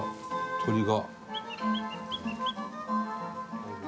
鳥が。